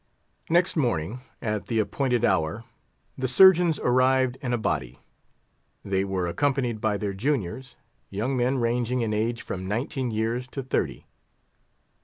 Next morning, at the appointed hour, the surgeons arrived in a body. They were accompanied by their juniors, young men ranging in age from nineteen years to thirty.